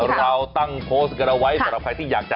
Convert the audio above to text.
เราตั้งโพสต์กันเอาไว้สำหรับใครที่อยากจะ